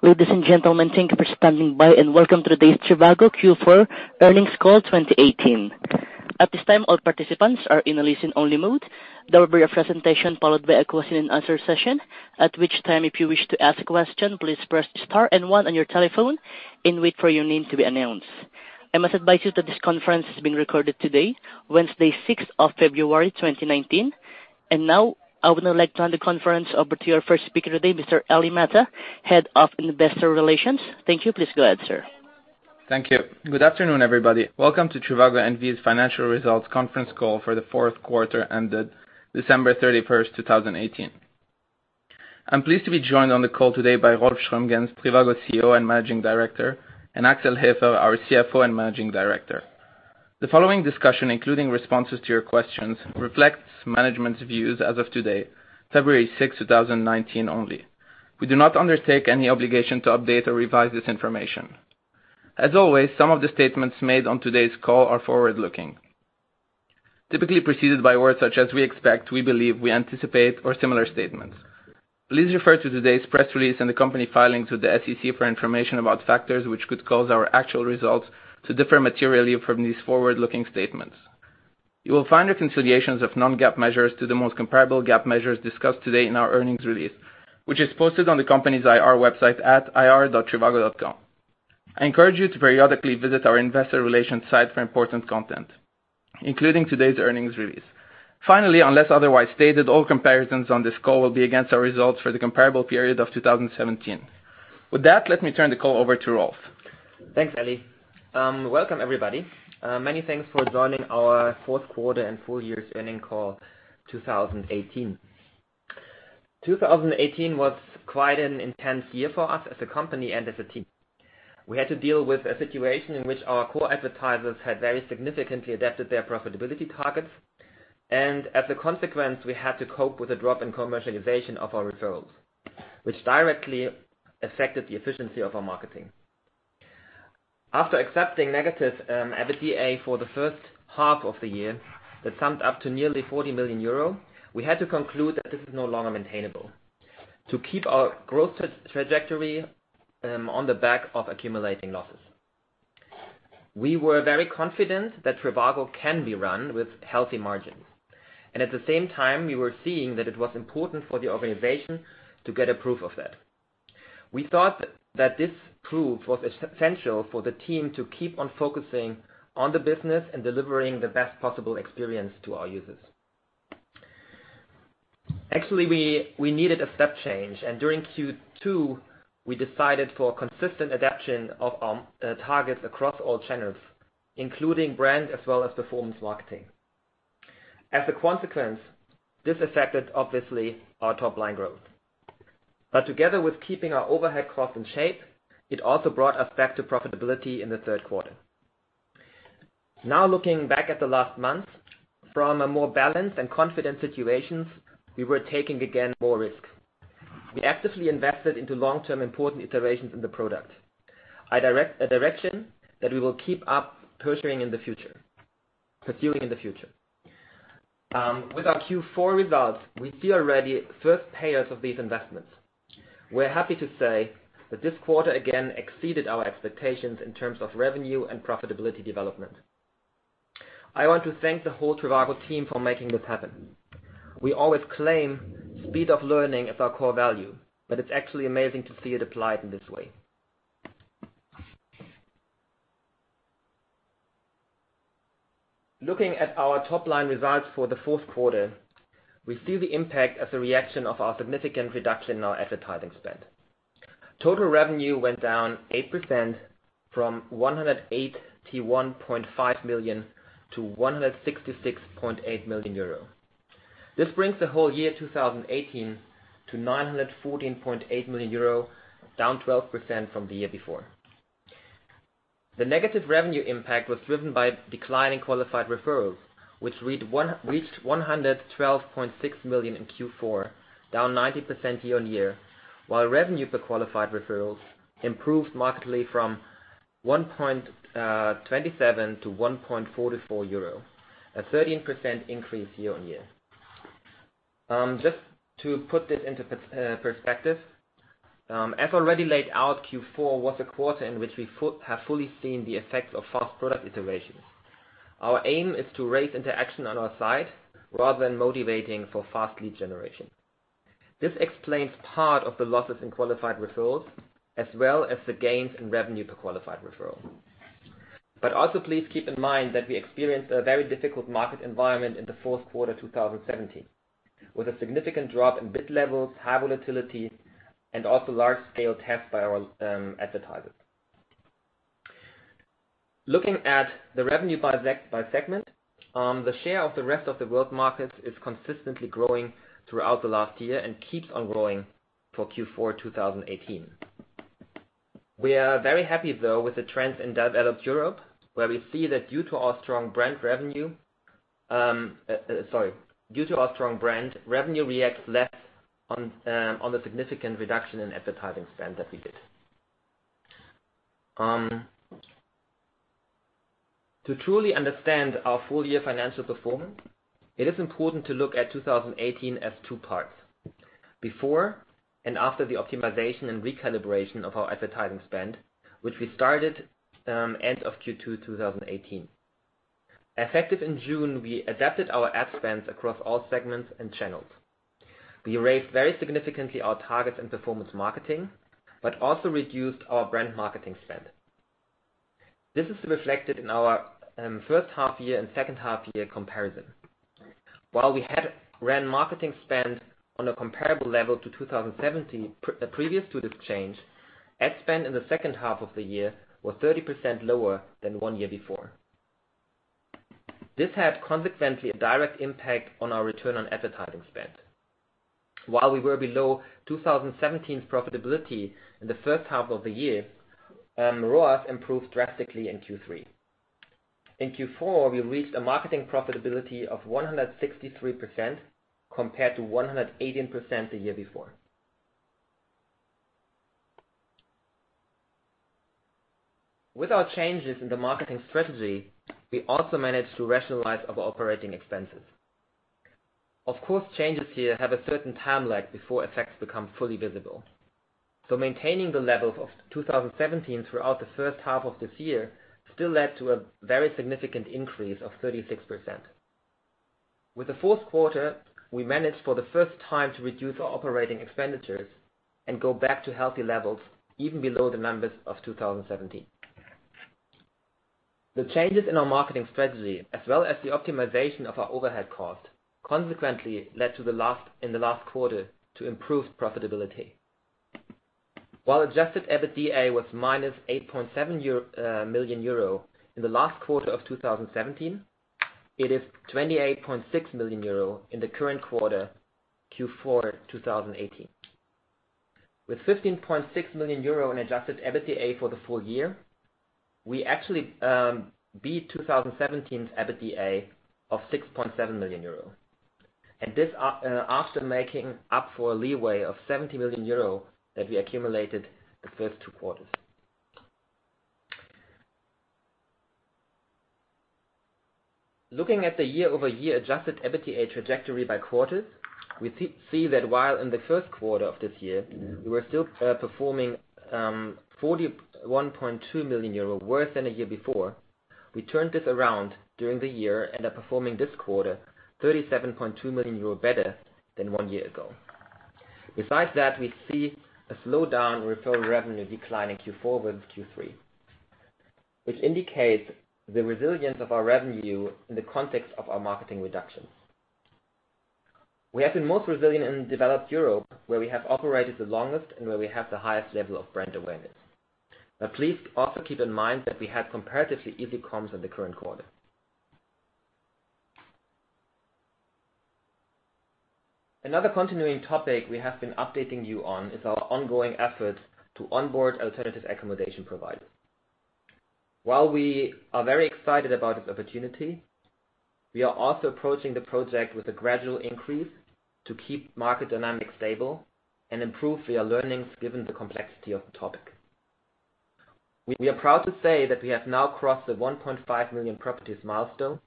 Ladies and gentlemen, thank you for standing by and welcome to today's trivago Q4 Earnings Call 2018. At this time, all participants are in a listen-only mode. There will be a presentation followed by a question and answer session, at which time, if you wish to ask a question, please press star and one on your telephone and wait for your name to be announced. I must advise you that this conference is being recorded today, Wednesday, 6th of February, 2019. I would now like to hand the conference over to your first speaker today, Mr. Elie Matta, Head of Investor Relations. Thank you. Please go ahead, sir. Thank you. Good afternoon, everybody. Welcome to trivago N.V.'s Financial Results Conference Call for the Fourth Quarter Ended December 31st, 2018. I'm pleased to be joined on the call today by Rolf Schrömgens, trivago CEO and Managing Director, and Axel Hefer, our CFO and Managing Director. The following discussion, including responses to your questions, reflects management's views as of today, February 6, 2019 only. We do not undertake any obligation to update or revise this information. As always, some of the statements made on today's call are forward-looking, typically preceded by words such as "we expect," "we believe," "we anticipate," or similar statements. Please refer to today's press release and the company filings with the SEC for information about factors which could cause our actual results to differ materially from these forward-looking statements. You will find the reconciliations of non-GAAP measures to the most comparable GAAP measures discussed today in our earnings release, which is posted on the company's IR website at ir.trivago.com. I encourage you to periodically visit our Investor Relations site for important content, including today's earnings release. Finally, unless otherwise stated, all comparisons on this call will be against our results for the comparable period of 2017. With that, let me turn the call over to Rolf Schrömgens. Thanks, Elie Matta. Welcome everybody. Many thanks for joining our Fourth Quarter and Full Year Earnings Call 2018. 2018 was quite an intense year for us as a company and as a team. We had to deal with a situation in which our core advertisers had very significantly adapted their profitability targets, and as a consequence, we had to cope with a drop in commercialization of our referrals, which directly affected the efficiency of our marketing. After accepting negative EBITDA for the first half of the year that summed up to nearly 40 million euro, we had to conclude that this is no longer maintainable to keep our growth trajectory on the back of accumulating losses. We were very confident that trivago can be run with healthy margins, and at the same time, we were seeing that it was important for the organization to get a proof of that. We thought that this proof was essential for the team to keep on focusing on the business and delivering the best possible experience to our users. Actually, we needed a step change. During Q2, we decided for consistent adaptation of our targets across all channels, including brand as well as performance marketing. As a consequence, this affected obviously our top-line growth. Together with keeping our overhead costs in shape, it also brought us back to profitability in the third quarter. Now looking back at the last month from a more balanced and confident situation, we were taking again more risks. We actively invested into long-term important iterations in the product, a direction that we will keep on pursuing in the future. With our Q4 results, we see already first payoffs of these investments. We're happy to say that this quarter again exceeded our expectations in terms of revenue and profitability development. I want to thank the whole trivago team for making this happen. We always claim speed of learning as our core value. It's actually amazing to see it applied in this way. Looking at our top-line results for the fourth quarter, we see the impact as a reaction of our significant reduction in our advertising spend. Total revenue went down 8% from 181.5 million-166.8 million euro. This brings the whole year 2018 to 914.8 million euro, down 12% from the year before. The negative revenue impact was driven by declining Qualified Referrals, which reached 112.6 million in Q4, down 19% year-on-year, while Revenue per Qualified Referral improved markedly from 1.27-1.44 euro, a 13% increase year-on-year. Just to put this into perspective, as already laid out, Q4 was a quarter in which we have fully seen the effects of fast product iterations. Our aim is to raise interaction on our site rather than motivating for fast lead generation. This explains part of the losses in Qualified Referrals as well as the gains in Revenue per Qualified Referral. Also, please keep in mind that we experienced a very difficult market environment in the fourth quarter 2017, with a significant drop in bid levels, high volatility, and also large-scale tests by our advertisers. Looking at the revenue by segment, the share of the rest of the world markets is consistently growing throughout the last year and keeps on growing for Q4 2018. We are very happy though with the trends in developed Europe, where we see that due to our strong brand, revenue reacts less on the significant reduction in advertising spend that we did. To truly understand our full-year financial performance, it is important to look at 2018 as two parts, before and after the optimization and recalibration of our advertising spend, which we started end of Q2 2018. Effective in June, we adapted our ad spends across all segments and channels. We raised very significantly our targets in performance marketing, but also reduced our brand marketing spend. This is reflected in our first half-year and second half-year comparison. While we had run marketing spend on a comparable level to 2017 previous to this change, ad spend in the second half of the year was 30% lower than one year before. This had consequently a direct impact on our Return on Advertising Spend. While we were below 2017's profitability in the first half of the year, ROAS improved drastically in Q3. In Q4, we reached a marketing profitability of 163% compared to 118% the year before. With our changes in the marketing strategy, we also managed to rationalize our operating expenses. Of course, changes here have a certain time lag before effects become fully visible. Maintaining the levels of 2017 throughout the first half of this year still led to a very significant increase of 36%. With the fourth quarter, we managed for the first time to reduce our operating expenditures and go back to healthy levels, even below the numbers of 2017. The changes in our marketing strategy, as well as the optimization of our overhead cost, consequently led in the last quarter to improved profitability. Adjusted EBITDA was minus 8.7 million euro in the last quarter of 2017, it is 28.6 million euro in the current quarter, Q4 2018. With 15.6 million euro in adjusted EBITDA for the full year, we actually beat 2017's EBITDA of 6.7 million euro. This after making up for a leeway of 70 million euro that we accumulated the first two quarters. Looking at the year-over-year adjusted EBITDA trajectory by quarter, we see that while in the first quarter of this year we were still performing 41.2 million euro worse than a year before, we turned this around during the year and are performing this quarter 37.2 million euro better than one year ago. Besides that, we see a slowdown in referral revenue decline in Q4 versus Q3, which indicates the resilience of our revenue in the context of our marketing reductions. We have been most resilient in developed Europe, where we have operated the longest and where we have the highest level of brand awareness. Please also keep in mind that we had comparatively easy comps in the current quarter. Another continuing topic we have been updating you on is our ongoing efforts to onboard alternative accommodation providers. While we are very excited about this opportunity, we are also approaching the project with a gradual increase to keep market dynamics stable and improve our learnings given the complexity of the topic. We are proud to say that we have now crossed the 1.5 million properties milestone,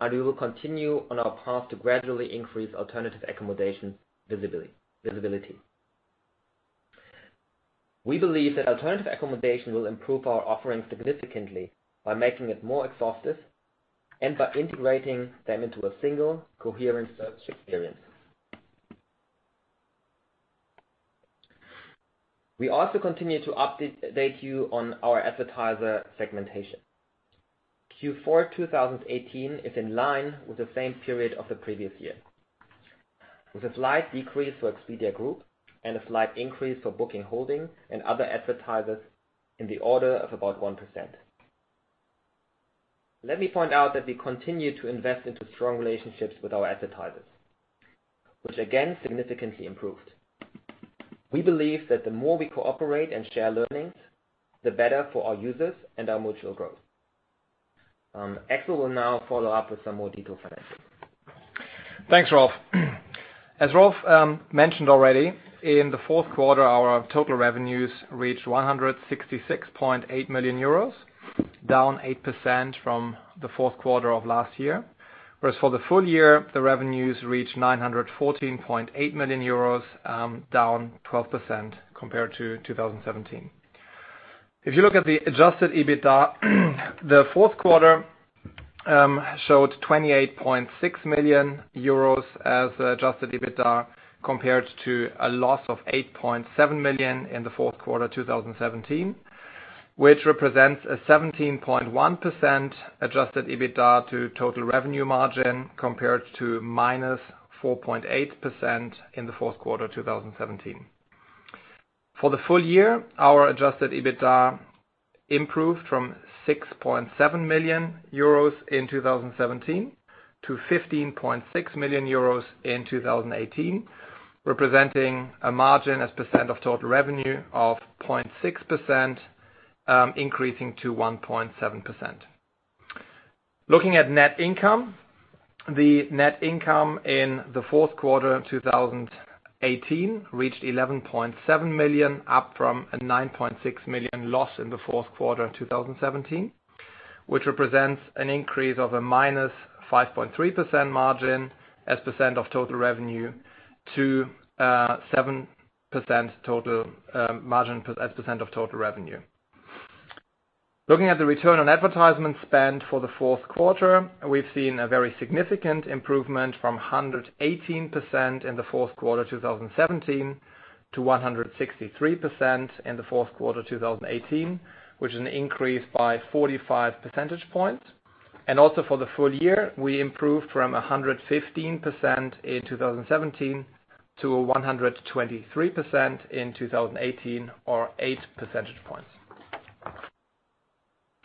and we will continue on our path to gradually increase alternative accommodation visibility. We believe that alternative accommodation will improve our offerings significantly by making it more exhaustive and by integrating them into a single coherent search experience. We also continue to update you on our advertiser segmentation. Q4 2018 is in line with the same period of the previous year, with a slight decrease for Expedia Group and a slight increase for Booking Holdings and other advertisers in the order of about 1%. Let me point out that we continue to invest into strong relationships with our advertisers, which again, significantly improved. We believe that the more we cooperate and share learnings, the better for our users and our mutual growth. Axel Hefer will now follow up with some more detailed finances. Thanks, Rolf Schrömgens. As Rolf mentioned already, in the fourth quarter, our total revenues reached 166.8 million euros, down 8% from the fourth quarter of last year. For the full year, the revenues reached 914.8 million euros, down 12% compared to 2017. If you look at the adjusted EBITDA, the fourth quarter showed 28.6 million euros as adjusted EBITDA, compared to a loss of 8.7 million in the fourth quarter 2017, which represents a 17.1% adjusted EBITDA to total revenue margin, compared to -4.8% in the fourth quarter 2017. For the full year, our adjusted EBITDA improved from 6.7 million euros in 2017-EUR 15.6 million in 2018, representing a margin as percent of total revenue of 0.6%, increasing to 1.7%. Looking at net income. The net income in the fourth quarter 2018 reached 11.7 million, up from a 9.6 million loss in the fourth quarter of 2017, which represents an increase of a minus 5.3% margin as percent of total revenue to 7% total margin as percent of total revenue. Looking at the Return on Advertising Spend for the fourth quarter, we've seen a very significant improvement from 118% in the fourth quarter 2017 to 163% in the fourth quarter 2018, which is an increase by 45 percentage points. Also for the full year, we improved from 115% in 2017 to 123% in 2018, or eight percentage points.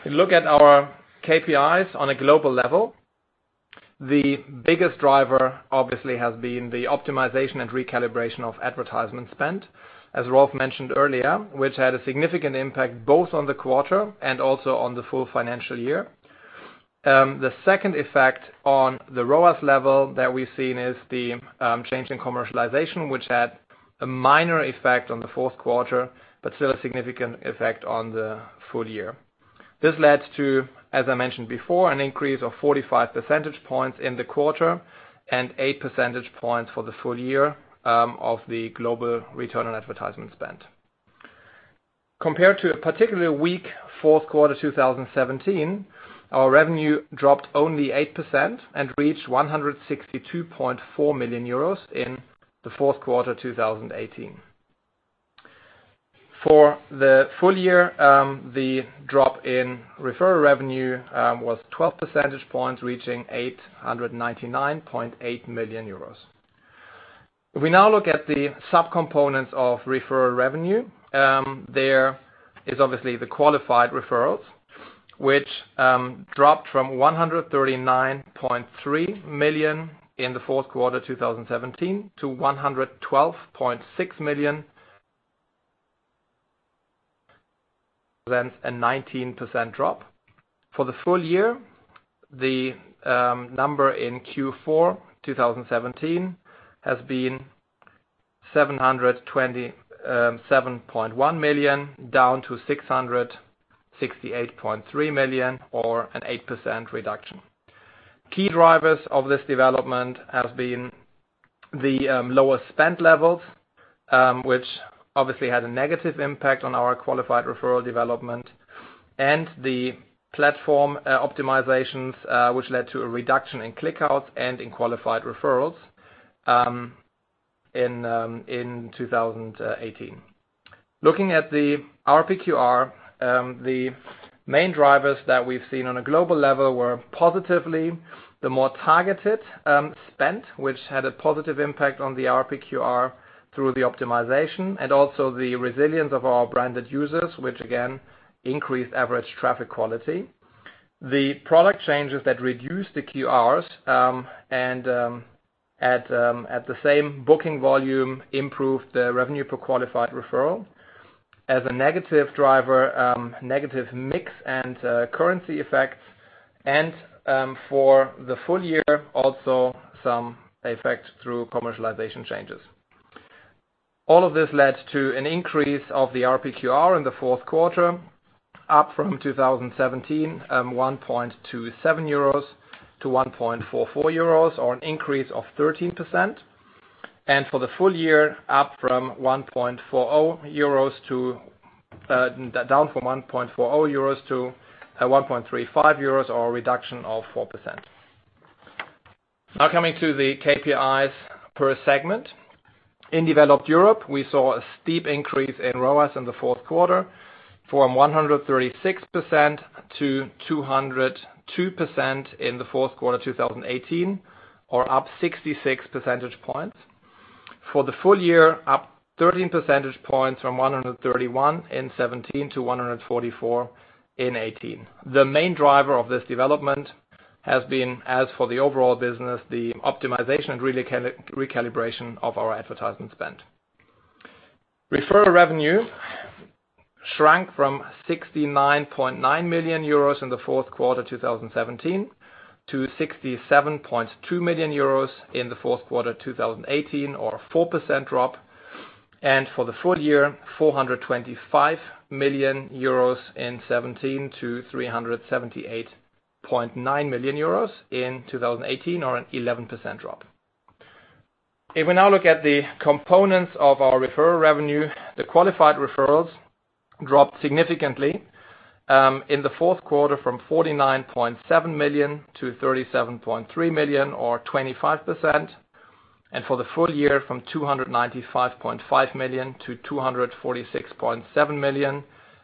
If we look at our KPIs on a global level, the biggest driver obviously has been the optimization and recalibration of advertising spend, as Rolf mentioned earlier, which had a significant impact both on the quarter and also on the full financial year. The second effect on the ROAS level that we've seen is the change in commercialization, which had a minor effect on the fourth quarter, but still a significant effect on the full year. This led to, as I mentioned before, an increase of 45 percentage points in the quarter and eight percentage points for the full year of the global Return on Advertising Spend. Compared to a particularly weak fourth quarter 2017, our revenue dropped only 8% and reached 162.4 million euros in the fourth quarter 2018. For the full year, the drop in referral revenue was 12 percentage points, reaching 899.8 million euros. If we now look at the subcomponents of referral revenue, there is obviously the Qualified Referrals, which dropped from 139.3 million in the fourth quarter 2017 to 112.6 million. A 19% drop. For the full year, the number in Q4 2017 has been 727.1 million, down to 668.3 million, or an 8% reduction. Key drivers of this development have been the lower spend levels, which obviously had a negative impact on our Qualified Referral development, and the platform optimizations, which led to a reduction in click-outs and in Qualified Referrals in 2018. Looking at the RPQR, the main drivers that we've seen on a global level were positively the more targeted spend, which had a positive impact on the RPQR through the optimization, and also the resilience of our branded users, which again increased average traffic quality. The product changes that reduced the QRs and at the same booking volume improved the Revenue per Qualified Referral. As a negative driver, negative mix and currency effects, for the full year, also some effect through commercialization changes. All of this led to an increase of the RPQR in the fourth quarter, up from 2017, 1.27-1.44 euros, or an increase of 13%. For the full year, down from 1.40-1.35 euros, or a reduction of 4%. Now coming to the KPIs per segment. In developed Europe, we saw a steep increase in ROAS in the fourth quarter from 136%-202% in the fourth quarter 2018, or up 66 percentage points. For the full year, up 13 percentage points from 131 in 2017-144 in 2018. The main driver of this development has been, as for the overall business, the optimization and recalibration of our advertisement spend. Referral revenue shrank from 69.9 million euros in the fourth quarter 2017 to 67.2 million euros in the fourth quarter 2018, or a 4% drop. For the full year, 425 million euros in 2017 to 378.9 million euros in 2018, or an 11% drop. If we now look at the components of our referral revenue, the Qualified Referrals dropped significantly in the fourth quarter from 49.7 million-37.3 million, or 25%, for the full year, from 295.5 million-246.7 million,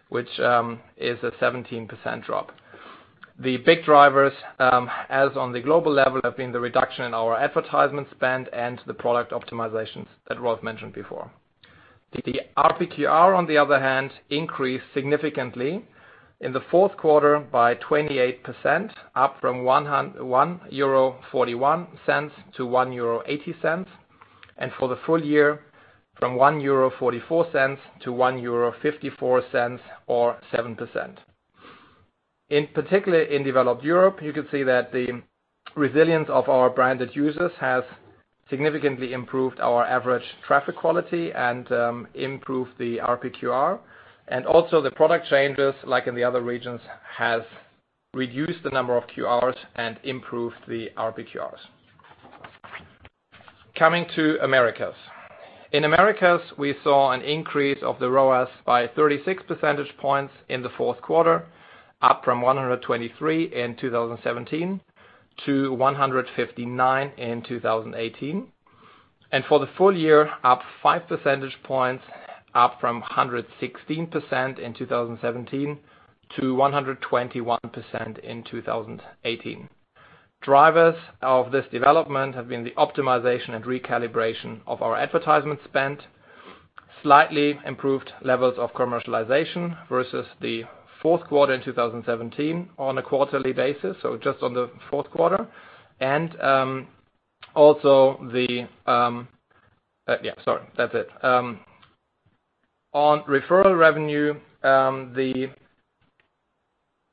which is a 17% drop. The big drivers, as on the global level, have been the reduction in our advertisement spend and the product optimizations that Rolf mentioned before. The RPQR, on the other hand, increased significantly in the fourth quarter by 28%, up from 1.41-1.80 euro. For the full year, from 1.44-1.54 euro or 7%. In particular in developed Europe, you could see that the resilience of our branded users has significantly improved our average traffic quality and improved the RPQR. Also the product changes, like in the other regions, has reduced the number of QRs and improved the RPQRs. Coming to Americas. In Americas, we saw an increase of the ROAS by 36 percentage points in the fourth quarter, up from 123 in 2017-159 in 2018. For the full year, up five percentage points, up from 116% in 2017 to 121% in 2018. Drivers of this development have been the optimization and recalibration of our advertisement spend, slightly improved levels of commercialization versus the fourth quarter in 2017 on a quarterly basis, so just on the fourth quarter. On referral revenue,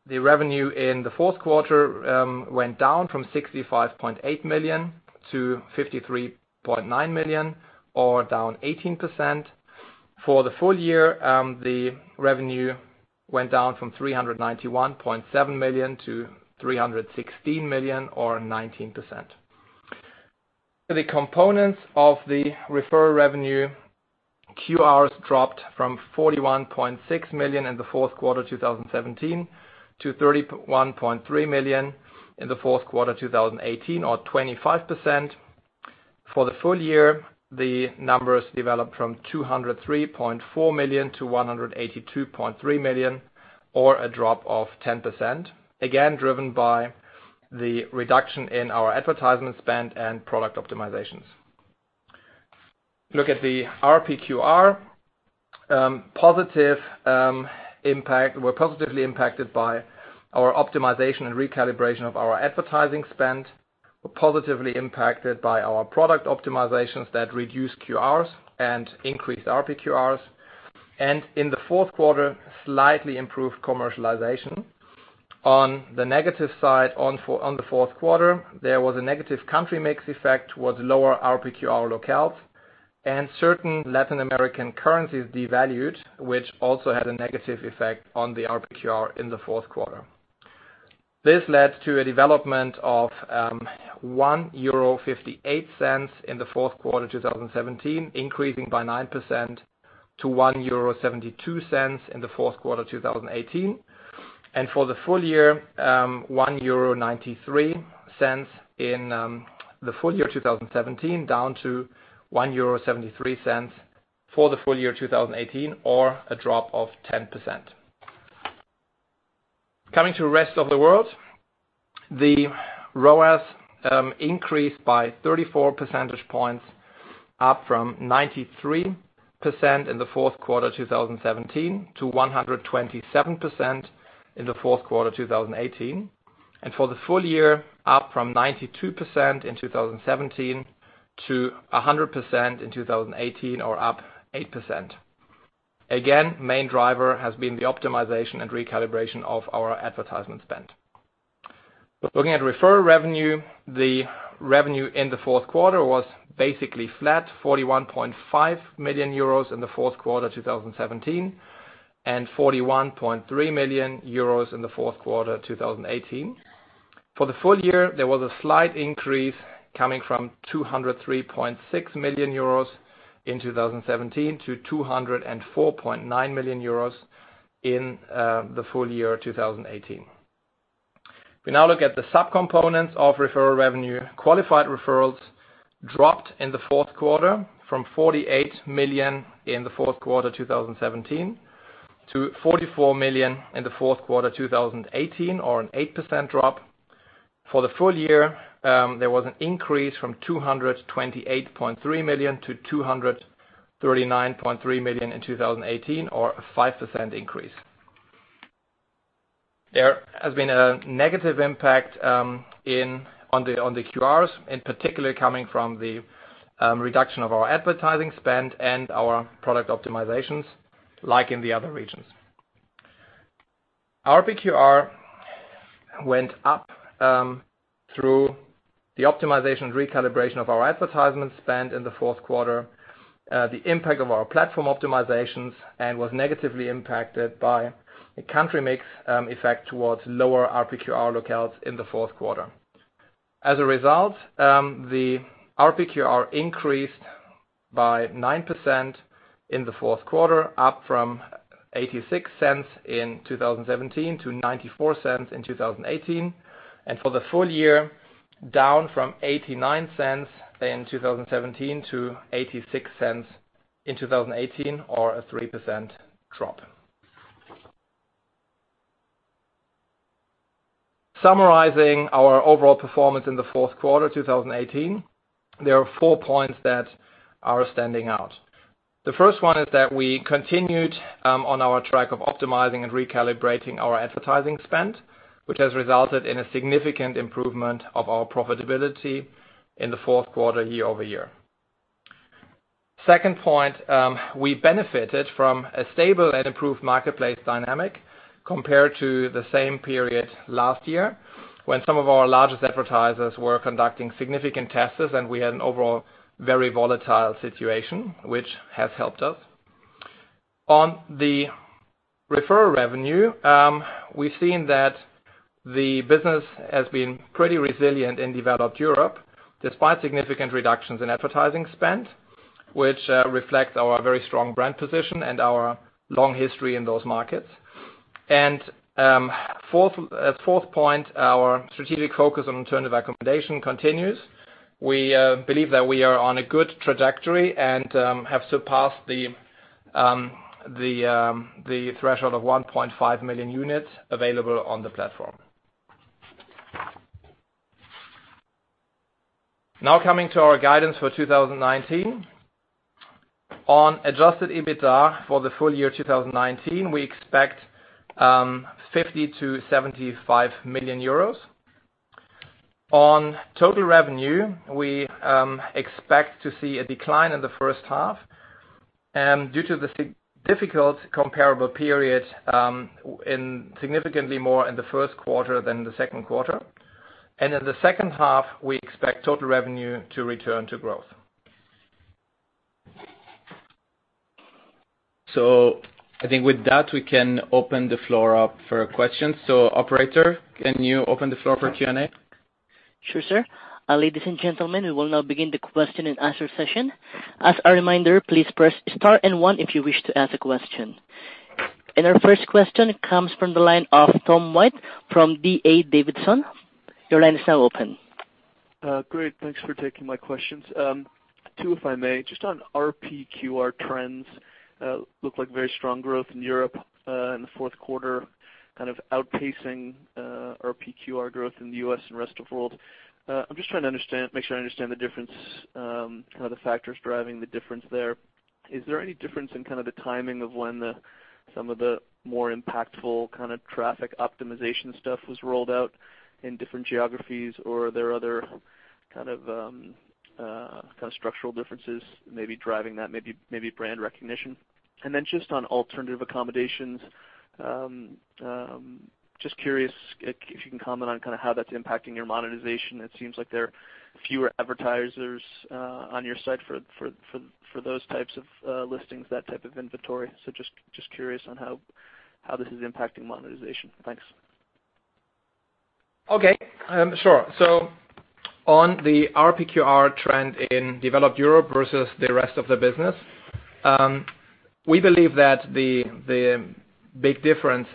the revenue in the fourth quarter went down from 65.8 million-53.9 million or down 18%. For the full year, the revenue went down from 391.7 million to 316 million or 19%. The components of the referral revenue QRs dropped from 41.6 million in the fourth quarter 2017 to 31.3 million in the fourth quarter 2018 or 25%. For the full year, the numbers developed from 203.4 million-182.3 million or a drop of 10%, again, driven by the reduction in our advertisement spend and product optimizations. Look at the RPQR. We're positively impacted by our optimization and recalibration of our advertising spend. We're positively impacted by our product optimizations that reduce QRs and increase RPQRs, in the fourth quarter, slightly improved commercialization. On the negative side, on the fourth quarter, there was a negative country mix effect towards lower RPQR locales and certain Latin American currencies devalued, which also had a negative effect on the RPQR in the fourth quarter. This led to a development of 1.58 euro in the fourth quarter 2017, increasing by 9% to 1.72 euro in the fourth quarter 2018. For the full year, 1.93 euro in the full year 2017, down to 1.73 euro for the full year 2018 or a drop of 10%. Coming to rest of the world. The ROAS increased by 34 percentage points up from 93% in the fourth quarter 2017 to 127% in the fourth quarter 2018. For the full year, up from 92% in 2017-100% in 2018 or up 8%. Main driver has been the optimization and recalibration of our advertisement spend. Looking at referral revenue, the revenue in the fourth quarter was basically flat, 41.5 million euros in the fourth quarter 2017 and 41.3 million euros in the fourth quarter 2018. For the full year, there was a slight increase coming from 203.6 million euros in 2017-EUR 204.9 million in the full year 2018. We now look at the sub-components of referral revenue. Qualified Referrals dropped in the fourth quarter from 48 million in the fourth quarter 2017 to 44 million in the fourth quarter 2018 or an 8% drop. For the full year, there was an increase from 228.3 million- 239.3 million in 2018 or a 5% increase. There has been a negative impact on the QRs, in particular coming from the reduction of our advertising spend and our product optimizations, like in the other regions. RPQR went up through the optimization and recalibration of our advertisement spend in the fourth quarter, the impact of our platform optimizations, and was negatively impacted by a country mix effect towards lower RPQR locales in the fourth quarter. As a result, the RPQR increased by 9% in the fourth quarter, up from 0.86 in 2017-EUR 0.94 in 2018. For the full year, down from 0.89 in 2017-EUR 0.86 in 2018 or a 3% drop. Summarizing our overall performance in the fourth quarter 2018, there are four points that are standing out. The first one is that we continued on our track of optimizing and recalibrating our advertising spend, which has resulted in a significant improvement of our profitability in the fourth quarter year-over-year. Second point, we benefited from a stable and improved marketplace dynamic compared to the same period last year, when some of our largest advertisers were conducting significant tests, and we had an overall very volatile situation, which has helped us. On the referral revenue, we've seen that the business has been pretty resilient in developed Europe, despite significant reductions in advertising spend, which reflects our very strong brand position and our long history in those markets. Fourth point, our strategic focus on alternative accommodation continues. We believe that we are on a good trajectory and have surpassed the threshold of 1.5 million units available on the platform. Coming to our guidance for 2019. On adjusted EBITDA for the full year 2019, we expect 50 million-75 million euros. On total revenue, we expect to see a decline in the first half, due to the difficult comparable period, in significantly more in the first quarter than the second quarter. In the second half, we expect total revenue to return to growth. I think with that, we can open the floor up for questions. Operator, can you open the floor for Q&A? Sure, sir. Ladies and gentlemen, we will now begin the question and answer session. As a reminder, please press star and one if you wish to ask a question. Our first question comes from the line of Tom White from D.A. Davidson. Your line is now open. Great. Thanks for taking my questions. Two, if I may. Just on RPQR trends, looked like very strong growth in Europe in the fourth quarter, kind of outpacing RPQR growth in the U.S. and rest of world. I'm just trying to make sure I understand the difference, the factors driving the difference there. Is there any difference in the timing of when some of the more impactful traffic optimization stuff was rolled out in different geographies, or are there other structural differences maybe driving that, maybe brand recognition? Then just on alternative accommodations, just curious if you can comment on how that's impacting your monetization. It seems like there are fewer advertisers on your site for those types of listings, that type of inventory. Just curious on how this is impacting monetization. Thanks. On the RPQR trend in developed Europe versus the rest of the business, we believe that the big difference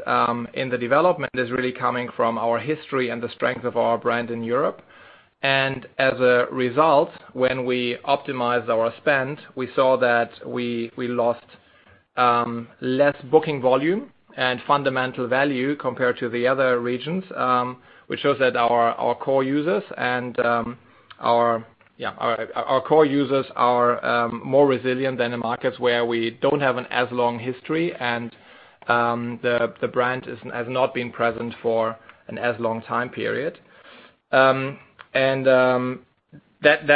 in the development is really coming from our history and the strength of our brand in Europe. As a result, when we optimized our spend, we saw that we lost less booking volume and fundamental value compared to the other regions, which shows that our core users are more resilient than the markets where we don't have an as long history and the brand has not been present for an as long time period. That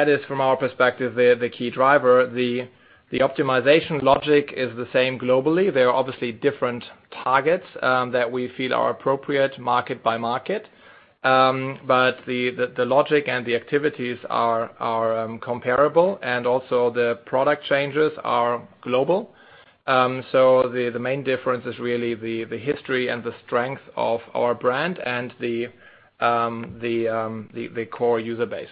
is from our perspective, the key driver. The optimization logic is the same globally. There are obviously different targets that we feel are appropriate market by market. The logic and the activities are comparable, and also the product changes are global. The main difference is really the history and the strength of our brand and the core user base.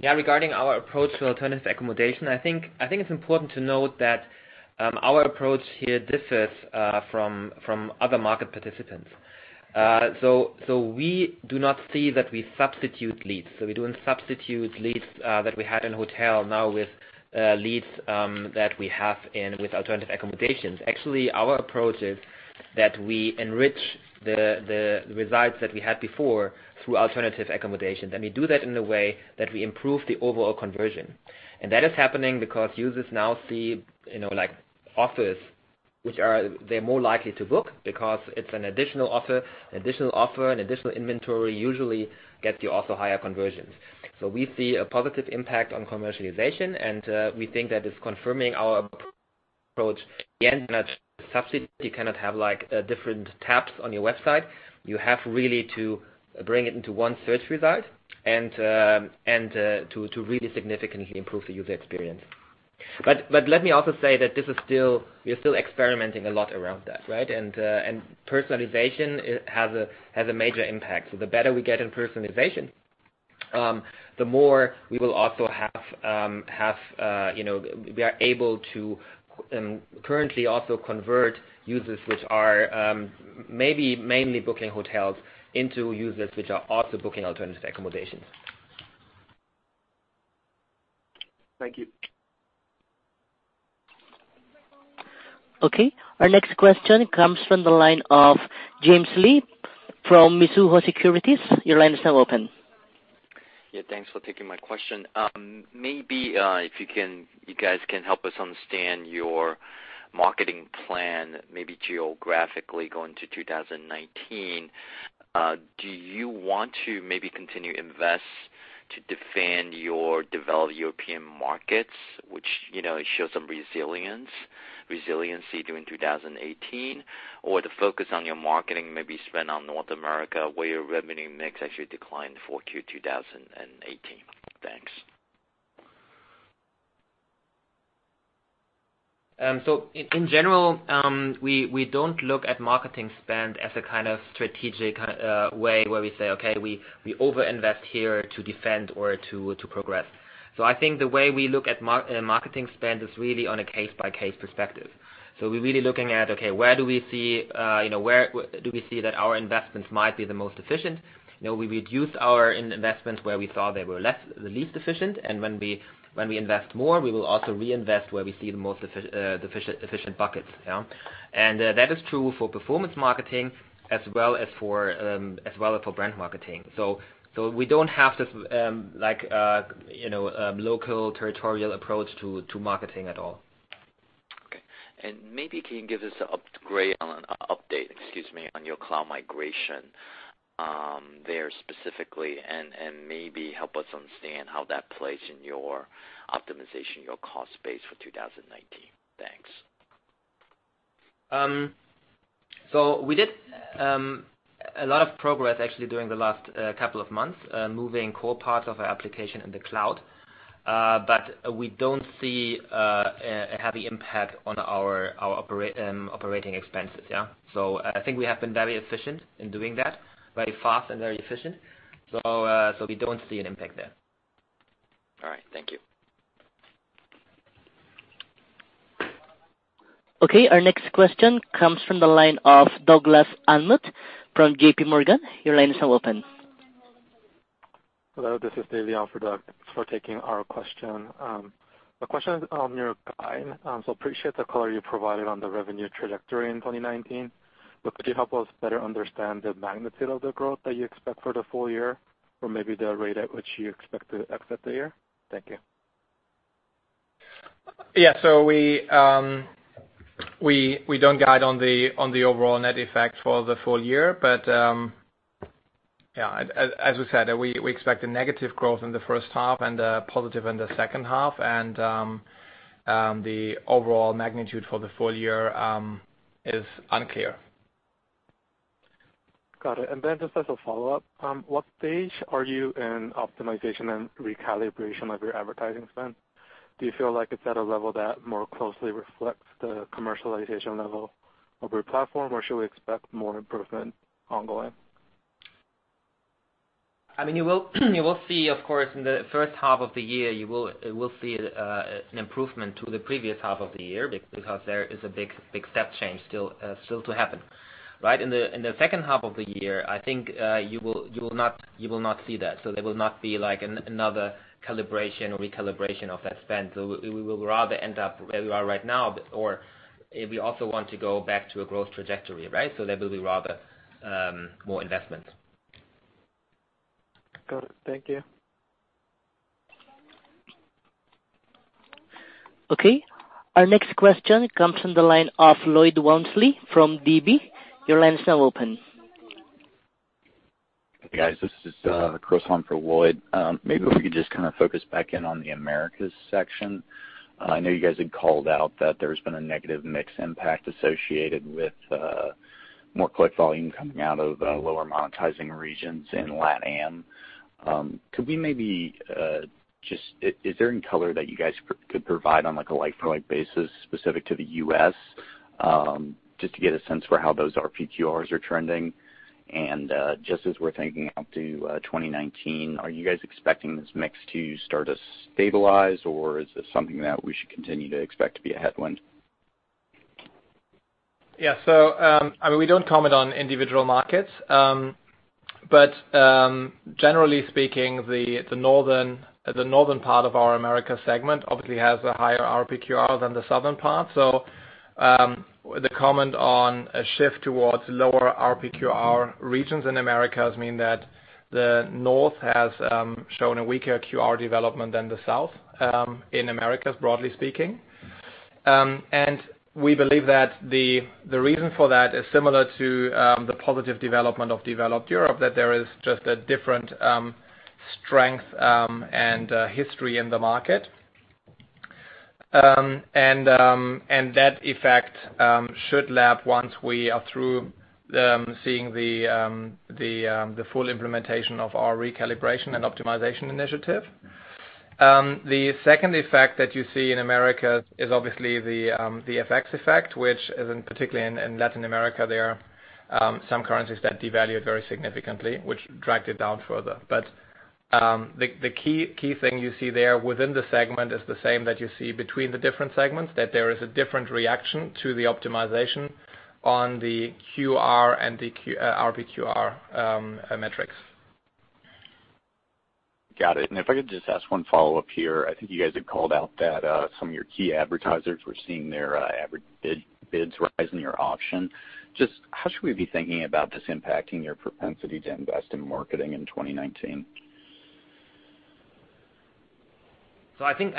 Yeah. Regarding our approach to alternative accommodation, I think it's important to note that our approach here differs from other market participants. We do not see that we substitute leads. We don't substitute leads that we had in hotel now with leads that we have in with alternative accommodations. Actually, our approach is that we enrich the results that we had before through alternative accommodation. We do that in a way that we improve the overall conversion. That is happening because users now see offers which they're more likely to book because it's an additional offer, an additional inventory usually gets you also higher conversions. We see a positive impact on commercialization, and we think that it's confirming our approach. Again, not substitute. You cannot have different tabs on your website. You have really to bring it into one search result and to really significantly improve the user experience. Let me also say that we are still experimenting a lot around that, right? Personalization has a major impact. The better we get in personalization, the more we are able to currently also convert users which are maybe mainly booking hotels into users which are also booking alternative accommodations. Thank you. Okay. Our next question comes from the line of James Lee from Mizuho Securities. Your line is now open. Yeah, thanks for taking my question. Maybe if you guys can help us understand your marketing plan, maybe geographically going to 2019. Do you want to maybe continue invest to defend your developed European markets, which show some resiliency during 2018, or the focus on your marketing maybe spend on North America, where your revenue mix actually declined for Q2 2018? Thanks. In general, we don't look at marketing spend as a kind of strategic way where we say, "Okay, we over-invest here to defend or to progress." I think the way we look at marketing spend is really on a case-by-case perspective. We're really looking at, okay, where do we see that our investments might be the most efficient? We reduced our investments where we saw they were the least efficient. And when we invest more, we will also reinvest where we see the most efficient buckets. Yeah. And that is true for performance marketing as well as for brand marketing. We don't have this local territorial approach to marketing at all. Okay. Maybe, can you give us an update on your cloud migration there specifically, and maybe help us understand how that plays in your optimization, your cost base for 2019. Thanks. We did a lot of progress actually during the last couple of months, moving core parts of our application in the cloud. We don't see a heavy impact on our operating expenses, yeah. I think we have been very efficient in doing that. Very fast and very efficient. We don't see an impact there. All right. Thank you. Okay, our next question comes from the line of Douglas Anmuth from JPMorgan. Your line is now open. Hello, this is Dae Lee on for Douglas Anmuth. Thanks for taking our question. A question on your guide. Appreciate the color you provided on the revenue trajectory in 2019. Could you help us better understand the magnitude of the growth that you expect for the full year? Maybe the rate at which you expect to exit the year? Thank you. Yeah. We don't guide on the overall net effect for the full year. Yeah, as we said, we expect a negative growth in the first half and a positive in the second half. The overall magnitude for the full year is unclear. Got it. Just as a follow-up, what stage are you in optimization and recalibration of your advertising spend? Do you feel like it's at a level that more closely reflects the commercialization level of your platform, or should we expect more improvement ongoing? You will see, of course, in the first half of the year, you will see an improvement to the previous half of the year because there is a big step change still to happen. Right? In the second half of the year, I think, you will not see that. There will not be like another calibration or recalibration of that spend. We will rather end up where we are right now, or if we also want to go back to a growth trajectory, right? There will be rather more investment. Got it. Thank you. Okay. Our next question comes from the line of Lloyd Walmsley from Deutsche Bank. Your line is now open. Hey, guys, this is Chris on for Lloyd Walmsley. Maybe if we could just kind of focus back in on the Americas section. I know you guys had called out that there's been a negative mix impact associated with more click volume coming out of lower monetizing regions in LATAM. Is there any color that you guys could provide on like a like-for-like basis specific to the U.S., just to get a sense for how those RPQR are trending? Just as we're thinking up to 2019, are you guys expecting this mix to start to stabilize, or is this something that we should continue to expect to be a headwind? Yeah. We don't comment on individual markets. Generally speaking, the northern part of our Americas segment obviously has a higher RPQR than the southern part. The comment on a shift towards lower RPQR regions in Americas mean that the North has shown a weaker QR development than the South in Americas, broadly speaking. We believe that the reason for that is similar to the positive development of developed Europe, that there is just a different strength and history in the market. That effect should lap once we are through seeing the full implementation of our recalibration and optimization initiative. The second effect that you see in Americas is obviously the effects, which is in particularly in Latin America, there are some currencies that devalued very significantly, which dragged it down further. The key thing you see there within the segment is the same that you see between the different segments, that there is a different reaction to the optimization on the QR and the RPQR metrics. Got it. If I could just ask one follow-up here. I think you guys had called out that some of your key advertisers were seeing their average bids rise in your auction. Just how should we be thinking about this impacting your propensity to invest in marketing in 2019? I think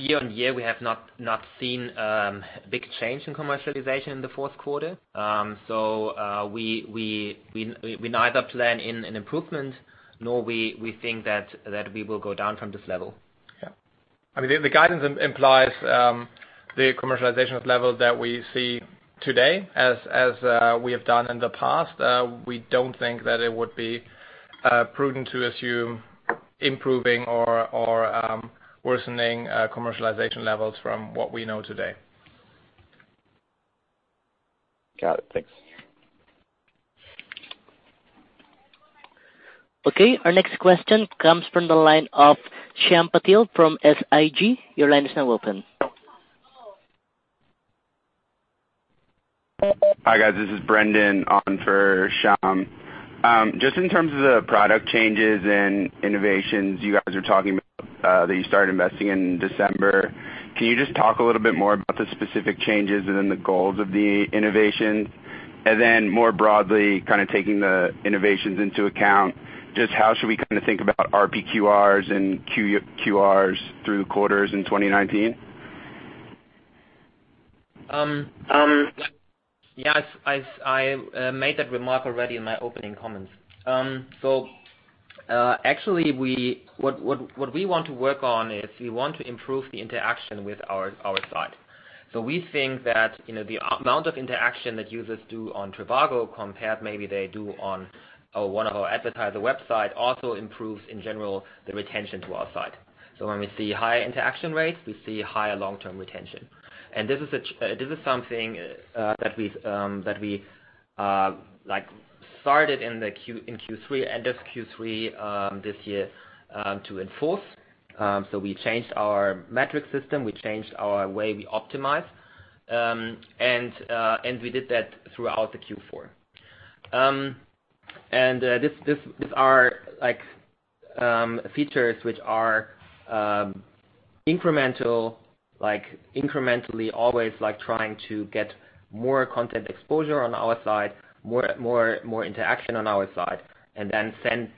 year-on-year, we have not seen a big change in commercialization in the fourth quarter. We neither plan in an improvement nor we think that we will go down from this level. Yeah. I mean, the guidance implies, the commercialization levels that we see today as we have done in the past, we don't think that it would be prudent to assume improving or worsening commercialization levels from what we know today. Got it. Thanks. Okay. Our next question comes from the line of Shyam Patil from SIG. Your line is now open. Hi, guys. This is Brendan on for Shyam Patil Just in terms of the product changes and innovations you guys are talking about that you started investing in December, can you just talk a little bit more about the specific changes and then the goals of the innovations? More broadly, kind of taking the innovations into account, just how should we think about RPQRs and QRs through quarters in 2019? Yes. I made that remark already in my opening comments. Actually what we want to work on is we want to improve the interaction with our site. We think that the amount of interaction that users do on trivago compared maybe they do on one of our advertiser websites also improves in general the retention to our site. When we see higher interaction rates, we see higher long-term retention. This is something that we started in Q3, end of Q3 this year, to enforce. We changed our metric system, we changed our way we optimize, and we did that throughout the Q4. These are features which are incremental, incrementally always trying to get more content exposure on our side, more interaction on our side, and then send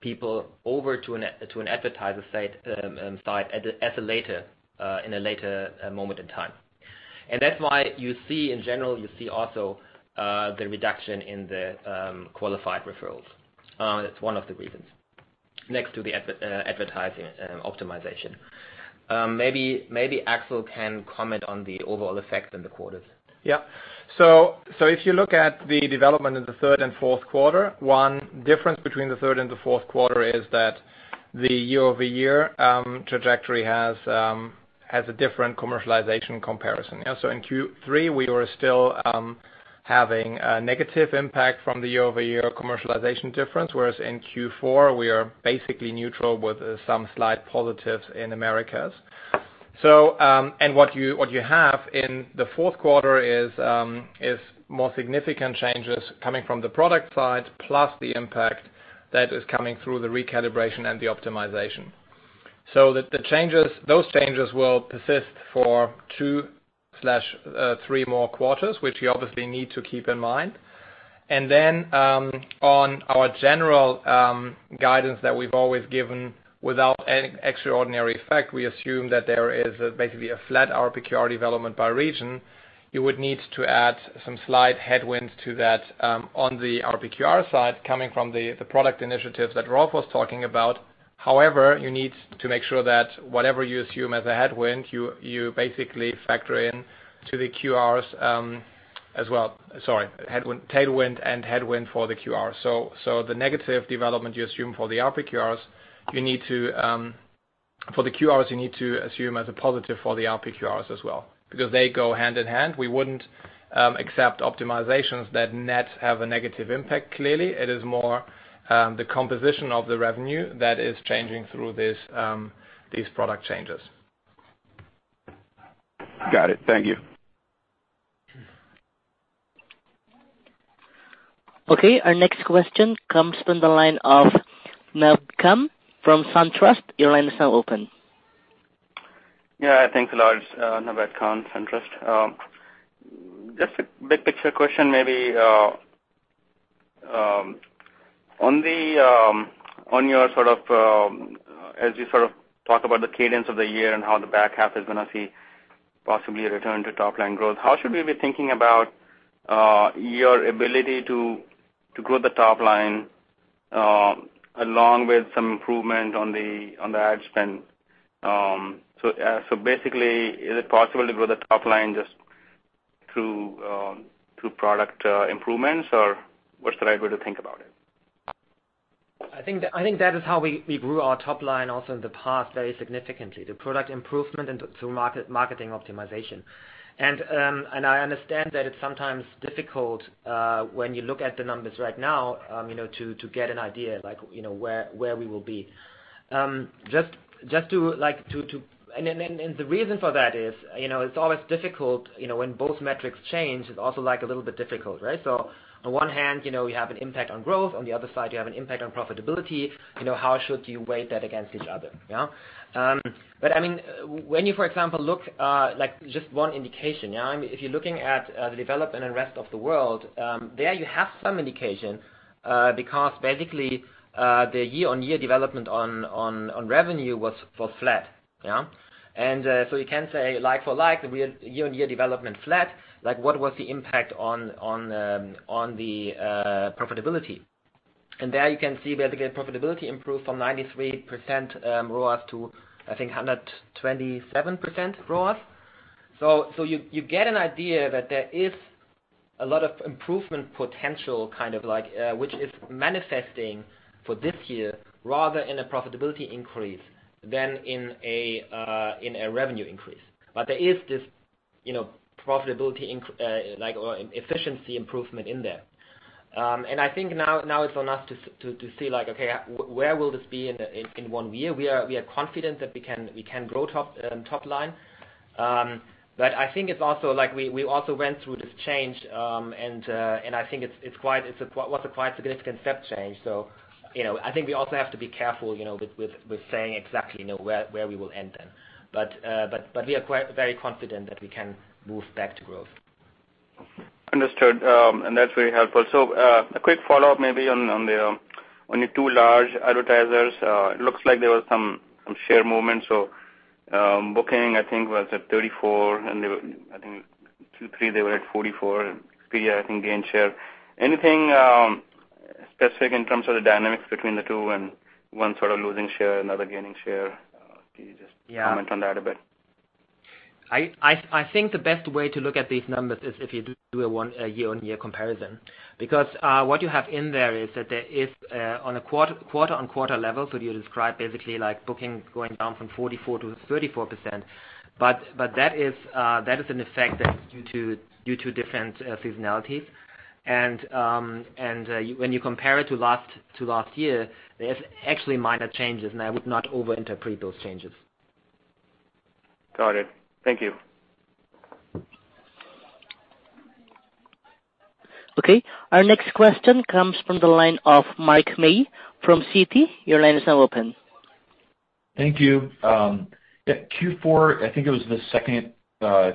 people over to an advertiser site in a later moment in time. That's why you see in general, you see also the reduction in the Qualified Referrals. That's one of the reasons, next to the advertising optimization. Maybe Axel can comment on the overall effect in the quarters. If you look at the development in the third and fourth quarter, one difference between the third and the fourth quarter is that the year-over-year trajectory has a different commercialization comparison. In Q3, we were still having a negative impact from the year-over-year commercialization difference, whereas in Q4, we are basically neutral with some slight positives in Americas. What you have in the fourth quarter is more significant changes coming from the product side, plus the impact that is coming through the recalibration and the optimization. Those changes will persist for two/three more quarters, which we obviously need to keep in mind. On our general guidance that we've always given without any extraordinary effect, we assume that there is basically a flat RPQR development by region. You would need to add some slight headwinds to that on the RPQR side, coming from the product initiatives that Rolf Schrömgens was talking about. However, you need to make sure that whatever you assume as a headwind, you basically factor in to the QRs as well. Sorry, tailwind and headwind for the QRs. The negative development you assume for the RPQRs, for the QRs, you need to assume as a positive for the RPQRs as well, because they go hand in hand. We wouldn't accept optimizations that net have a negative impact. Clearly, it is more the composition of the revenue that is changing through these product changes. Got it. Thank you. Okay. Our next question comes from the line of Naved Khan from SunTrust. Your line is now open. Yeah. Thanks a lot. Naved Khan, SunTrust. Just a big picture question, maybe. As you sort of talk about the cadence of the year and how the back half is going to see possibly a return to top-line growth, how should we be thinking about your ability to grow the top line along with some improvement on the ad spend? Basically, is it possible to grow the top line just through product improvements, or what's the right way to think about it? I think that is how we grew our top line also in the past very significantly, the product improvement and through marketing optimization. I understand that it's sometimes difficult when you look at the numbers right now to get an idea where we will be. The reason for that is, it's always difficult when both metrics change, it's also a little bit difficult, right? On one hand, we have an impact on growth. On the other side, you have an impact on profitability. How should you weigh that against each other? When you, for example, look at just one indication. If you're looking at the development in the rest of the world, there you have some indication, because basically, the year-on-year development on revenue was flat. You can say like for like, the year-on-year development flat, what was the impact on the profitability? There you can see we had the profitability improve from 93% ROAS to, I think, 127% ROAS. You get an idea that there is a lot of improvement potential, which is manifesting for this year, rather in a profitability increase than in a revenue increase. There is this profitability or efficiency improvement in there. I think now it's on us to see, okay, where will this be in one year? We are confident that we can grow top line. I think we also went through this change, and I think it was a quite significant step change. I think we also have to be careful with saying exactly where we will end then. We are very confident that we can move back to growth. Understood. That's very helpful. A quick follow-up maybe on the two large advertisers. It looks like there was some share movement. Booking, I think, was at 34%, and I think Q3 they were at 44%, and Expedia, I think, gained share. Anything specific in terms of the dynamics between the two and one sort of losing share, another gaining share? Can you just- Yeah. -comment on that a bit? I think the best way to look at these numbers is if you do a year-over-year comparison, because what you have in there is that there is, on a quarter-over-quarter level, so you describe basically Booking going down from 44%-34%. That is an effect that is due to different seasonalitie. When you compare it to last year, there's actually minor changes, and I would not over-interpret those changes. Got it. Thank you. Okay. Our next question comes from the line of Mike May from Citi. Your line is now open. Thank you. Yeah. Q4, I think it was the second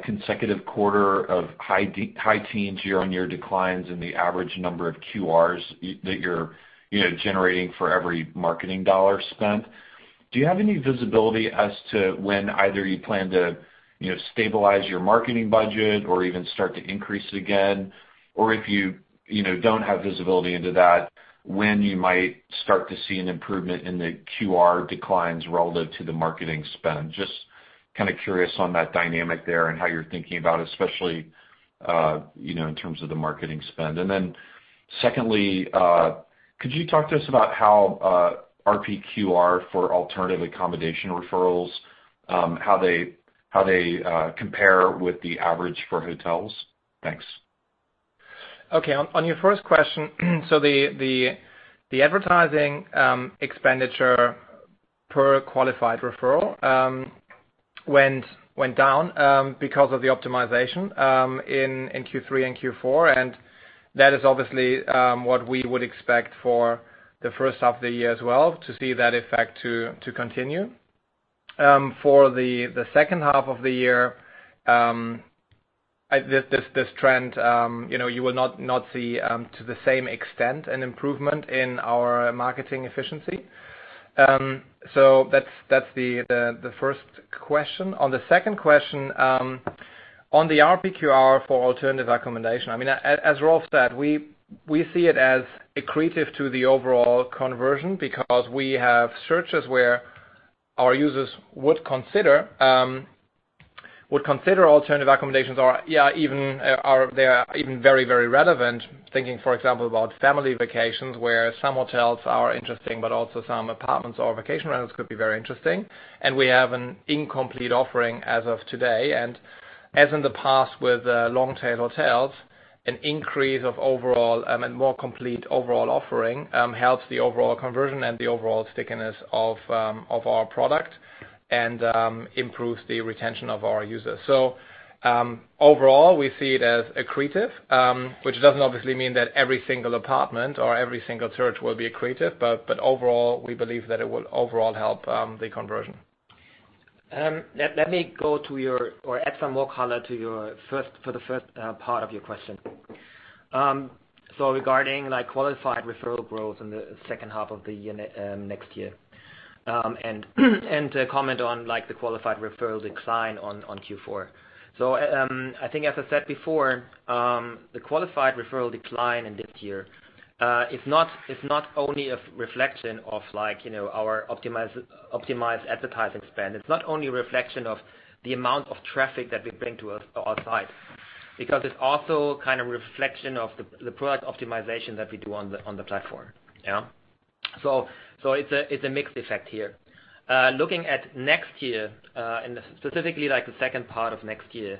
consecutive quarter of high teens year-on-year declines in the average number of QRs that you're generating for every marketing EUR spent. Do you have any visibility as to when either you plan to stabilize your marketing budget or even start to increase it again? Or if you don't have visibility into that, when you might start to see an improvement in the QR declines relative to the marketing spend? Just curious on that dynamic there and how you're thinking about it, especially in terms of the marketing spend. Secondly, could you talk to us about how RPQR for alternative accommodation referrals, how they compare with the average for hotels? Thanks. Okay. On your first question, the advertising expenditure per qualified referral went down because of the optimization in Q3 and Q4, and that is obviously what we would expect for the first half of the year as well, to see that effect to continue. For the second half of the year, this trend, you will not see to the same extent an improvement in our marketing efficiency. That's the first question. On the second question, on the RPQR for alternative accommodation, as Rolf said, we see it as accretive to the overall conversion because we have searches where our users would consider alternative accommodations or they are even very relevant. Thinking, for example, about family vacations where some hotels are interesting, but also some apartments or vacation rentals could be very interesting, we have an incomplete offering as of today. As in the past with the long-tail hotels, an increase of overall and more complete overall offering helps the overall conversion and the overall stickiness of our product and improves the retention of our users. Overall, we see it as accretive, which doesn't obviously mean that every single apartment or every single search will be accretive, but overall, we believe that it will overall help the conversion. Let me add some more color for the first part of your question. Regarding Qualified Referrals growth in the second half of next year, and to comment on the Qualified Referrals decline on Q4. I think as I said before, the Qualified Referrals decline in this year is not only a reflection of our optimized advertising spend. It's not only a reflection of the amount of traffic that we bring to our site. Because it's also a reflection of the product optimization that we do on the platform. It's a mixed effect here. Looking at next year, and specifically the second part of next year,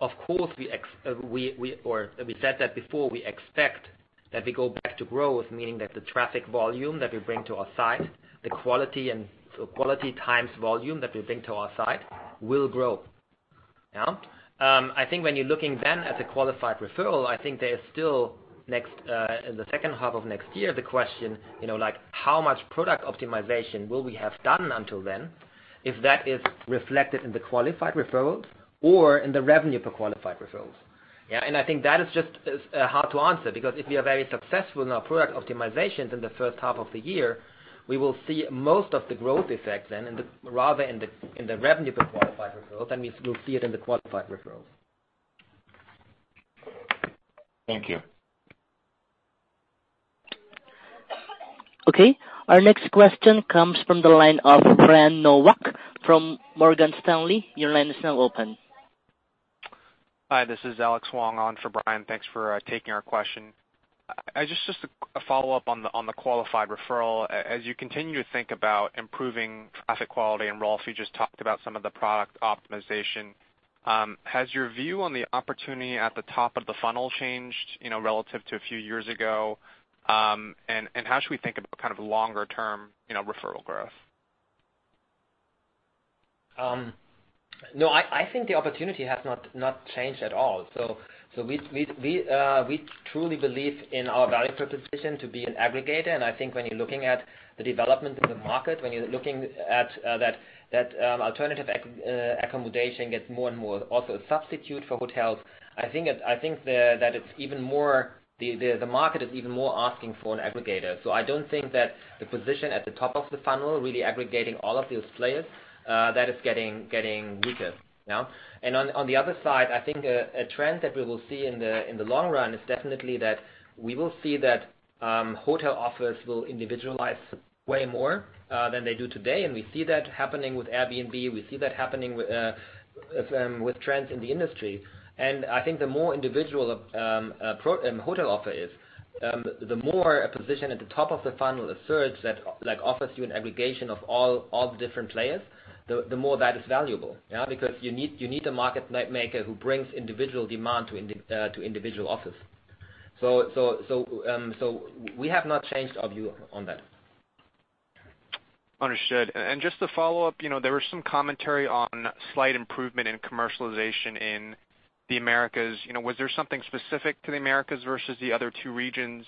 of course, we said that before, we expect that we go back to growth, meaning that the traffic volume that we bring to our site, the quality times volume that we bring to our site, will grow. I think when you're looking then at the Qualified Referrals, I think there is still in the second half of next year, the question, how much product optimization will we have done until then? If that is reflected in the Qualified Referrals or in the Revenue per Qualified Referral. I think that is just hard to answer because if we are very successful in our product optimizations in the first half of the year, we will see most of the growth effect then, rather in the Revenue per Qualified Referral than we will see it in the Qualified Referrals. Thank you. Our next question comes from the line of Brian Nowak from Morgan Stanley. Your line is now open. Hi, this is Alex Wong on for Brian Nowak. Thanks for taking our question. Just a follow-up on the Qualified Referrals. As you continue to think about improving traffic quality, and Rolf Schrömgens, you just talked about some of the product optimization. Has your view on the opportunity at the top of the funnel changed, relative to a few years ago? How should we think about longer-term referral growth? No, I think the opportunity has not changed at all. We truly believe in our value proposition to be an aggregator. I think when you're looking at the development of the market, when you're looking at that alternative accommodation gets more and more also a substitute for hotels. I think that the market is even more asking for an aggregator. I don't think that the position at the top of the funnel, really aggregating all of those players, that is getting weaker now. On the other side, I think a trend that we will see in the long run is definitely that we will see that hotel offers will individualize way more than they do today. We see that happening with Airbnb. We see that happening with trends in the industry. I think the more individual a hotel offer is, the more a position at the top of the funnel asserts that offers you an aggregation of all the different players, the more that is valuable. Because you need a market maker who brings individual demand to individual offers. We have not changed our view on that. Understood. Just to follow up, there was some commentary on slight improvement in commercialization in the Americas. Was there something specific to the Americas versus the other two regions?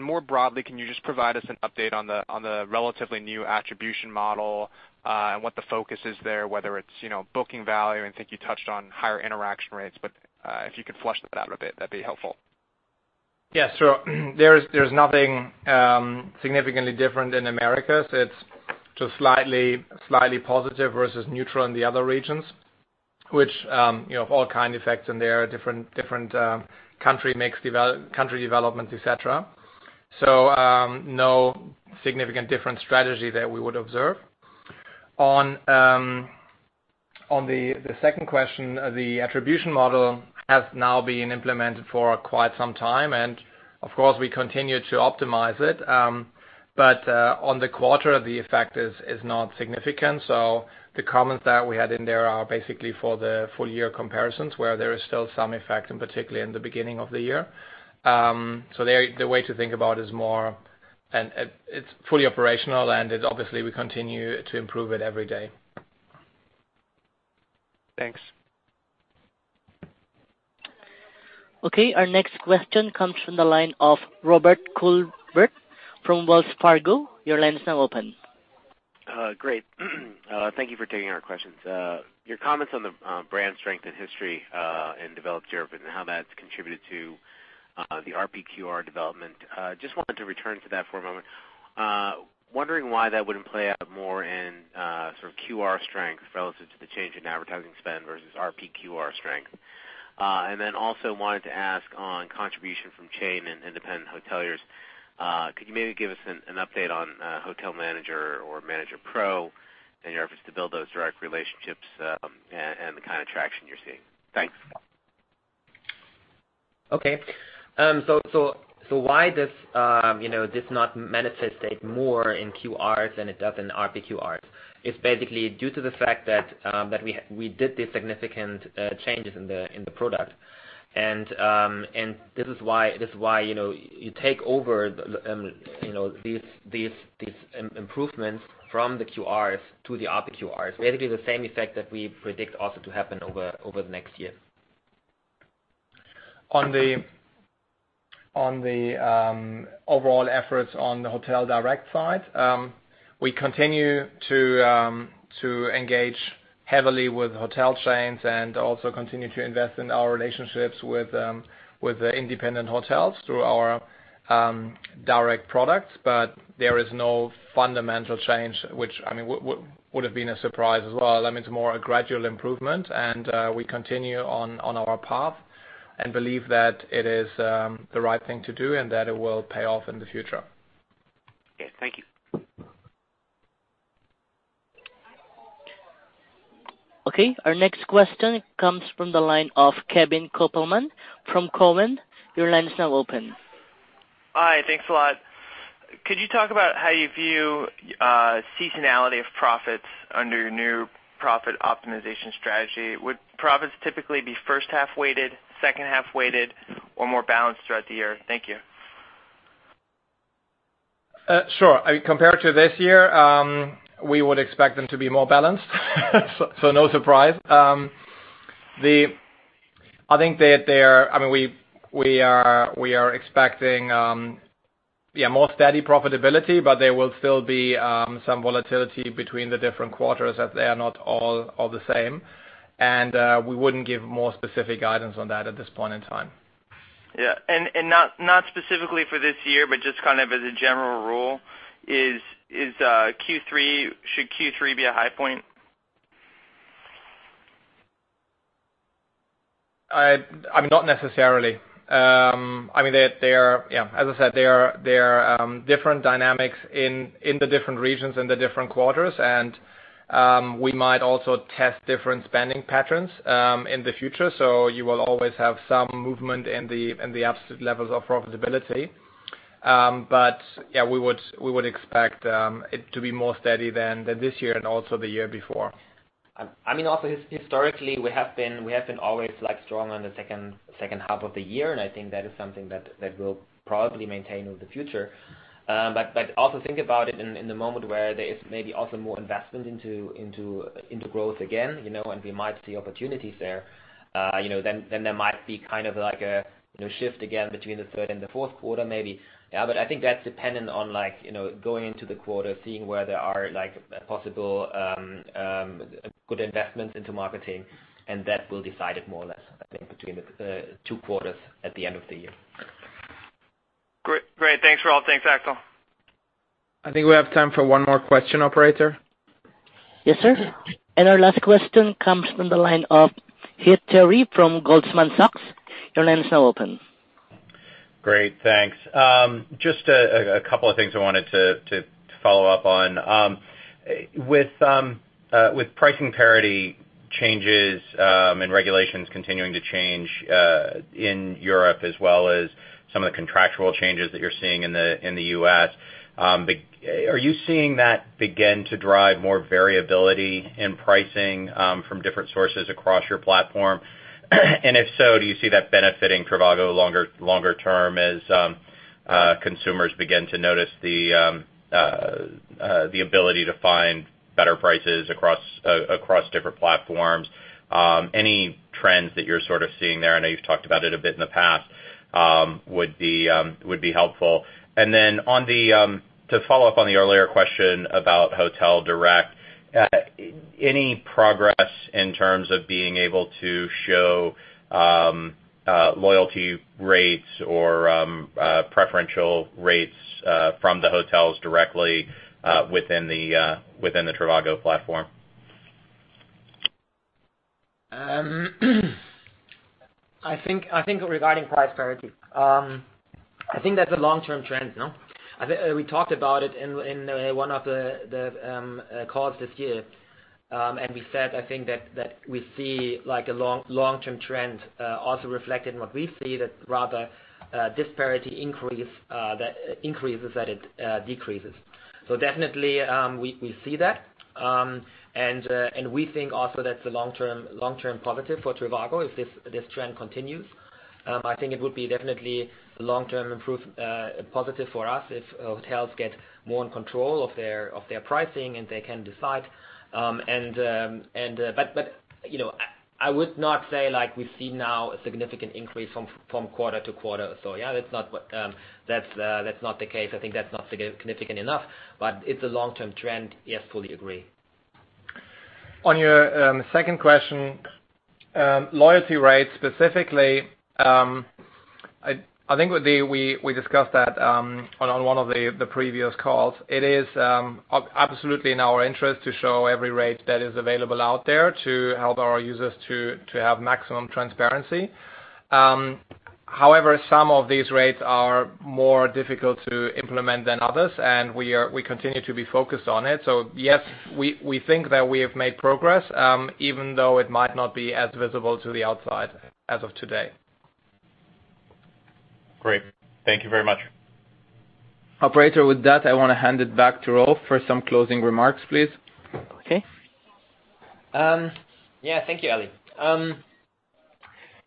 More broadly, can you just provide us an update on the relatively new attribution model, and what the focus is there, whether it's booking value? I think you touched on higher interaction rates, but if you could flesh that out a bit, that'd be helpful. Yes. There's nothing significantly different in Americas. It's just slightly positive versus neutral in the other regions, which have all kind effects in there, different country developments, et cetera. No significant different strategy that we would observe. On the second question, the attribution model has now been implemented for quite some time. Of course, we continue to optimize it. On the quarter, the effect is not significant. The comments that we had in there are basically for the full-year comparisons, where there is still some effect, particularly in the beginning of the year. The way to think about is more, it's fully operational. Obviously, we continue to improve it every day. Thanks. Okay, our next question comes from the line of Robert Coolbrith from Wells Fargo. Your line is now open. Great. Thank you for taking our questions. Your comments on the brand strength and history in developed Europe and how that's contributed to the RPQR development. Just wanted to return to that for a moment. Wondering why that wouldn't play out more in QR strength relative to the change in advertising spend versus RPQR strength. Also wanted to ask on contribution from chain and independent hoteliers. Could you maybe give us an update on Hotel Manager or Manager Pro in your efforts to build those direct relationships, the kind of traction you're seeing? Thanks. Okay. Why this not manifested more in QRs than it does in RPQRs is basically due to the fact that we did these significant changes in the product. This is why, you take over these improvements from the QRs to the RPQRs. Basically, the same effect that we predict also to happen over the next year. On the overall efforts on the Hotel Direct side, we continue to engage heavily with hotel chains and also continue to invest in our relationships with the independent hotels through our direct products. There is no fundamental change, which would have been a surprise as well. It's more a gradual improvement and we continue on our path and believe that it is the right thing to do, and that it will pay off in the future. Okay. Thank you. Okay. Our next question comes from the line of Kevin Kopelman from Cowen. Your line is now open. Hi. Thanks a lot. Could you talk about how you view seasonality of profits under your new profit optimization strategy? Would profits typically be first-half weighted, second-half weighted, or more balanced throughout the year? Thank you. Sure. Compared to this year, we would expect them to be more balanced. No surprise. We are expecting more steady profitability, but there will still be some volatility between the different quarters as they are not all the same. We wouldn't give more specific guidance on that at this point in time. Yeah. Not specifically for this year, but just as a general rule. Should Q3 be a high point? Not necessarily. As I said, there are different dynamics in the different regions in the different quarters. We might also test different spending patterns in the future. You will always have some movement in the absolute levels of profitability. We would expect it to be more steady than this year and also the year before. Also historically, we have been always strong on the second half of the year, I think that is something that will probably maintain in the future. Also think about it in the moment where there is maybe also more investment into growth again. We might see opportunities there. There might be a shift again between the third and the fourth quarter, maybe. I think that's dependent on going into the quarter, seeing where there are possible good investments into marketing, that will decide it more or less, I think, between the two quarters at the end of the year. Great. Thanks Rolf Schrömgens. Thanks Axel Hefer. I think we have time for one more question, operator. Yes, sir. Our last question comes from the line of Heath Terry from Goldman Sachs. Your line is now open. Great, thanks. Just a couple of things I wanted to follow up on. With pricing parity changes and regulations continuing to change in Europe as well as some of the contractual changes that you're seeing in the U.S., are you seeing that begin to drive more variability in pricing from different sources across your platform? If so, do you see that benefiting trivago longer term as consumers begin to notice the ability to find better prices across different platforms? Any trends that you're seeing there, I know you've talked about it a bit in the past, would be helpful. Then to follow up on the earlier question about hotel direct, any progress in terms of being able to show loyalty rates or preferential rates from the hotels directly within the trivago platform? I think regarding price parity, I think that's a long-term trend, no? We talked about it in one of the calls this year. We said, I think that we see a long-term trend also reflected in what we see that rather disparity increases than it decreases. Definitely, we see that. We think also that's a long-term positive for trivago if this trend continues. I think it would be definitely a long-term positive for us if hotels get more in control of their pricing, and they can decide. I would not say we see now a significant increase from quarter to quarter. Yeah, that's not the case. I think that's not significant enough, but it's a long-term trend. Yes, fully agree. On your second question, loyalty rates specifically, I think we discussed that on one of the previous calls. It is absolutely in our interest to show every rate that is available out there to help our users to have maximum transparency. However, some of these rates are more difficult to implement than others, and we continue to be focused on it. Yes, we think that we have made progress, even though it might not be as visible to the outside as of today. Great. Thank you very much. Operator, with that, I want to hand it back to Rolf Schrömgens for some closing remarks, please. Okay. Thank you, Elie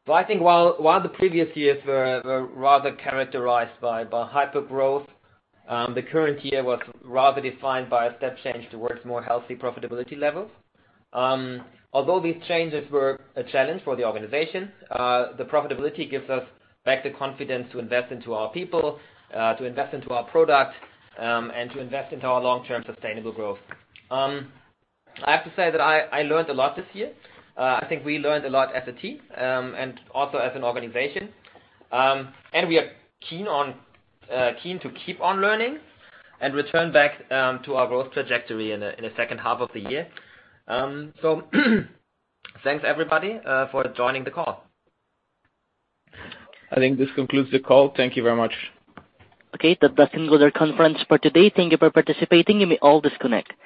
Matta. I think while the previous years were rather characterized by hyper-growth, the current year was rather defined by a step change towards more healthy profitability levels. Although these changes were a challenge for the organization, the profitability gives us back the confidence to invest into our people, to invest into our product, and to invest into our long-term sustainable growth. I have to say that I learned a lot this year. I think we learned a lot as a team, and also as an organization. We are keen to keep on learning and return back to our growth trajectory in the second half of the year. Thanks everybody for joining the call. I think this concludes the call. Thank you very much. That concludes our conference for today. Thank you for participating. You may all disconnect.